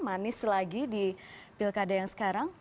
manis lagi di pilkada yang sekarang